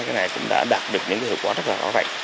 cái này cũng đã đạt được những hiệu quả rất là rõ ràng